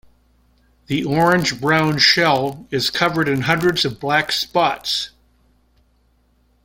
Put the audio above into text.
The orange-brown shell is covered in hundreds of black spots.